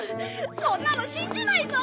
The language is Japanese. そんなの信じないぞ。